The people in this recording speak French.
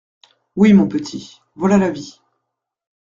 Oui, mon petit, voilà la vie.